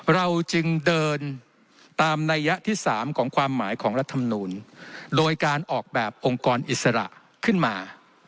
เราจึงเดินตามนัยยะที่๓ของความหมายของรัฐมนูลโดยการออกแบบองค์กรอิสระขึ้นมา